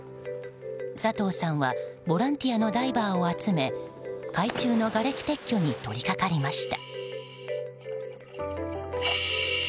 佐藤さんはボランティアのダイバーを集め海中のがれき撤去にとりかかりました。